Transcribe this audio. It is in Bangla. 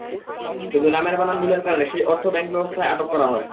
কিন্তু নামের বানান ভুলের কারণে সেই অর্থ ব্যাংক ব্যবস্থায় আটক করা হয়।